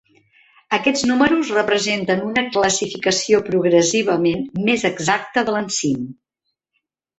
Aquests números representen una classificació progressivament més exacta de l'enzim.